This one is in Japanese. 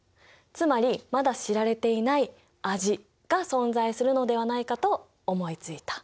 つまりまだ知られていない味が存在するのではないかと思いついた。